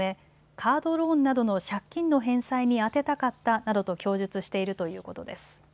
カードローンなどの借金の返済に充てたかったなどと供述しているということです。